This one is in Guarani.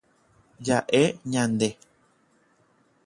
Ja'e ñande.